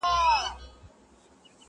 هیڅوک نه وايي چي عقل مرور دی!!